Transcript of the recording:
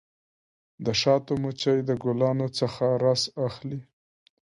د شاتو مچۍ د ګلانو څخه رس اخلي.